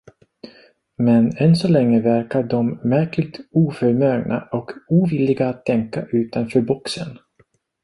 Men än så länge verkar de märkligt oförmögna och ovilliga att tänka utanför boxen.